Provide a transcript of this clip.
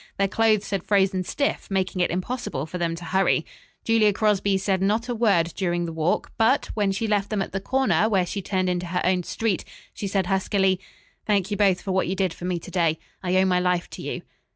Their clothes had frozen stiff, making it impossible for them to hurry. Julia Crosby said not a word during the walk, but when she left them at the corner where she turned into her own street, she said huskily: "Thank you both for what you did for me to day, I owe my life to you."